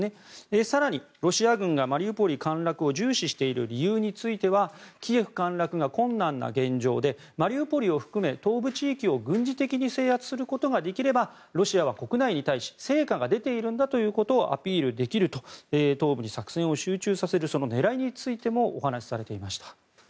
更にロシア軍がマリウポリ陥落を重視している理由についてはキエフ陥落が困難な現状でマリウポリを含め東部地域を軍事的に制圧することができればロシアは国内に対し成果が出ているんだということをアピールできると東部に作戦を集中させる狙いについてもお話しされていました。